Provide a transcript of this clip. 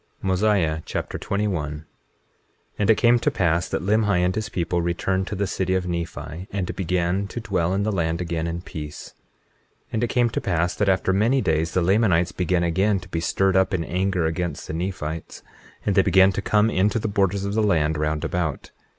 Mosiah Chapter 21 21:1 And it came to pass that Limhi and his people returned to the city of Nephi, and began to dwell in the land again in peace. 21:2 And it came to pass that after many days the Lamanites began again to be stirred up in anger against the Nephites, and they began to come into the borders of the land round about.